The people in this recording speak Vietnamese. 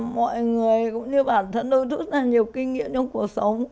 mọi người cũng như bản thân đối thức là nhiều kinh nghiệm trong cuộc sống